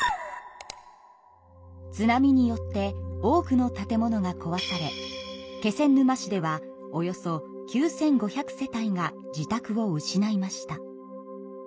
津波によって多くの建物がこわされ気仙沼市ではおよそ９，５００世帯が自宅を失いました。